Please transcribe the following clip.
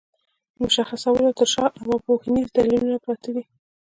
د مشخصولو تر شا ارواپوهنيز دليلونه پراته دي.